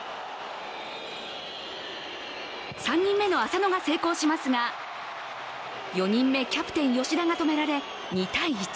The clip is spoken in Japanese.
３人目の浅野が成功しますが４人目のキャプテン・吉田が止められ２−１。